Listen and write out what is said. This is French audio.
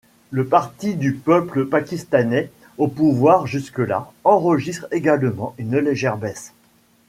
Le Parti du peuple pakistanais, au pouvoir jusque-là, enregistre également une légère baisse.